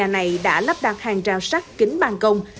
căn nhà này đã lắp đặt hàng rào sắt kính bàn công